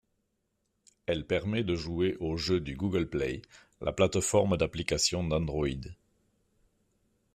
Elle permet de jouer aux jeux du Google Play, la plateforme d'application d'Android.